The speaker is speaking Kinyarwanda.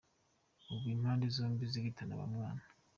Ubu impande zombi ziritana ba mwana.